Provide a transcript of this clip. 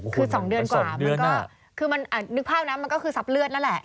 คือ๒เดือนกว่านึกภาพนะมันก็คือสับเลือดนั่นแหละ